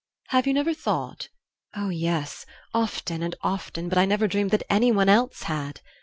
"Have you never thought " "Oh, yes, often and often; but I never dreamed that anyone else had."